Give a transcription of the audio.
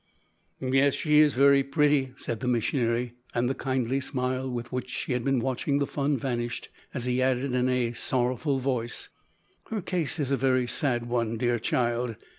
"Yes, she is very pretty," said the missionary and the kindly smile with which he had been watching the fun vanished, as he added in a sorrowful voice, "her case is a very sad one, dear child.